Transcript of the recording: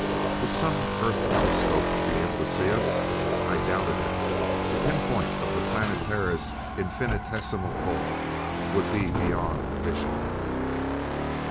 Would some Earth telescope be able to see us? I doubted it. The pinpoint of the Planetara's infinitesimal bulk would be beyond vision.